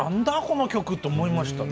この曲」と思いました。